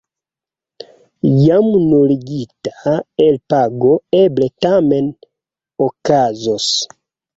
Jam nuligita elpago eble tamen okazos.